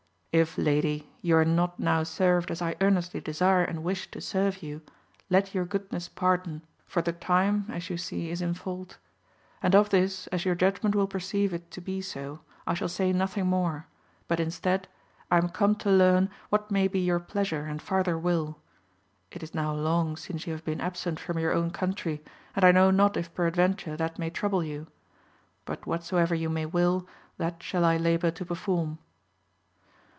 If lady you are not now served as I earnestly desire and wish to serve you, let your goodness pardon, for the time, as you see, is in fault. And of this, as your judgment will perceive it to be so, I shall say nothing more, but instead, I am come to learn what may be your pleasure and farther will ; it is now long since you have been absent from your own country, and I know not if peradventure that may trouble you ; but whatsoever you may will, that shall I labour to perform.